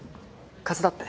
風邪だって？